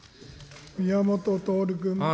宮本徹君。